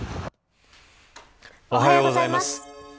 おはようございます。